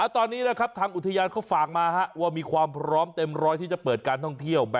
ตอนนี้นะครับทางอุทยานเขาฝากมาว่ามีความพร้อมเต็มร้อยที่จะเปิดการท่องเที่ยว